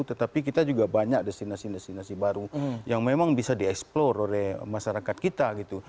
tetapi kita juga banyak destinasi destinasi baru yang memang bisa dieksplor oleh masyarakat kita gitu